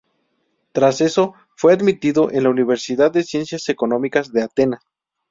Tras eso, fue admitido en la Universidad de ciencias económicas de Atenas.